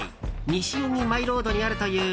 西荻マイロードにあるという